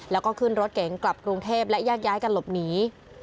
แล้วก็ขึ้นรถเก๋งกลับกรุงเทพและแยกย้ายกันหลบหนี